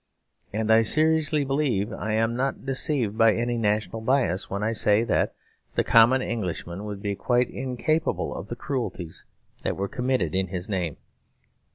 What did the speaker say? And I seriously believe I am not deceived by any national bias, when I say that the common Englishman would be quite incapable of the cruelties that were committed in his name.